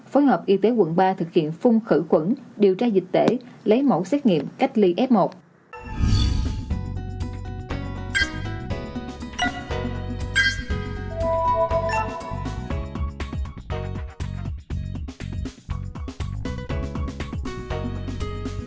phối hợp y tế quận ba thực hiện phun khử khuẩn điều tra dịch tễ lấy mẫu xét nghiệm cách ly f một